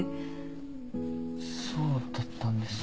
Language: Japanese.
そうだったんですか。